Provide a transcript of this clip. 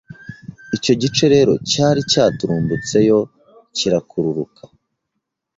icyo gice rero cyari cyaturumbutseyo kirakururuka